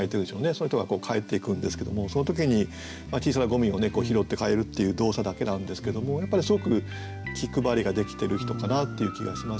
その人が帰っていくんですけどもその時に小さなゴミを拾って帰るっていう動作だけなんですけどもやっぱりすごく気配りができてる人かなっていう気がしますよね。